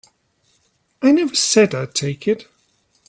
I never said I'd take it.